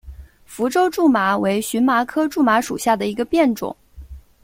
福州苎麻为荨麻科苎麻属下的一个变种。